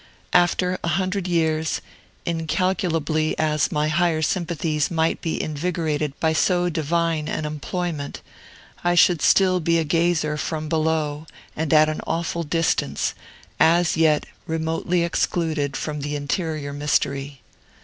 After a hundred years, incalculably as my higher sympathies might be invigorated by so divine an employment, I should still be a gazer from below and at an awful distance, as yet remotely excluded from the interior mystery.